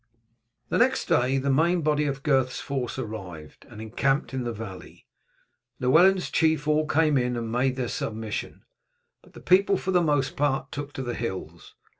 The next day the main body of Gurth's force arrived, and encamped in the valley. Llewellyn's chiefs all came in and made their submission, but the people for the most part took to the hills.